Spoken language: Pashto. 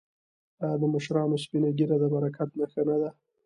آیا د مشرانو سپینه ږیره د برکت نښه نه ده؟